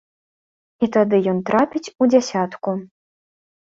І тады ён трапіць у дзясятку.